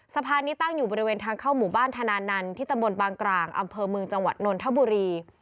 สะพานนี้ตั้งอยู่บริเวณทางเข้าหมู่บ้านธนานันต์ที่ตำบลบางกลางอำเภอเมืองจังหวัดนนทบุรี